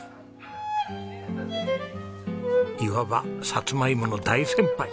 いわばサツマイモの大先輩。